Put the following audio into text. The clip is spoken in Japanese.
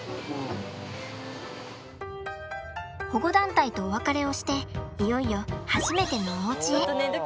保護団体とお別れをしていよいよ初めてのおうちへ。